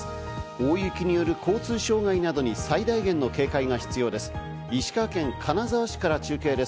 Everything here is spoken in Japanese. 大雪による交通障害などに最大限の警戒が必要です。